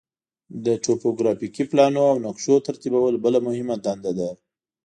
د توپوګرافیکي پلانونو او نقشو ترتیبول بله مهمه دنده ده